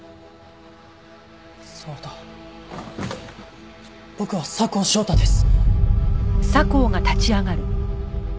そうだ僕は佐向祥太です！